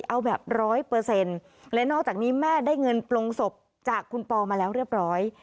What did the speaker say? เอาแบบ๑๐๐และนอกจากนี้แม่ได้เงินปลงศพจากคุณปอมาแล้วเรียบร้อย